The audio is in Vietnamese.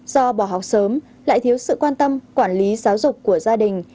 do bỏ học sớm lại thiếu sự quan tâm quản lý giáo dục của gia đình